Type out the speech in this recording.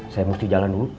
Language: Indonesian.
saya mesti jalan dulu